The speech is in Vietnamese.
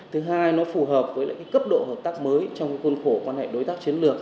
thứ hai nó phù hợp với lại cái cấp độ hợp tác mới trong khuôn khổ quan hệ đối tác chiến lược